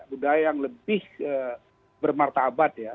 budaya yang lebih bermarta abad ya